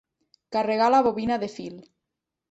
Carregar la bobina de fil.